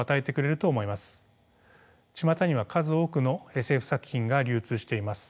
ちまたには数多くのＳＦ作品が流通しています。